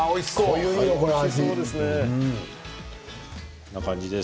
こんな感じで。